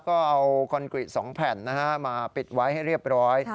ก็เอาคอนกรีต๒แผ่นมาปิดไว้ให้เรียบร้อย